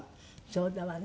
そうだわね。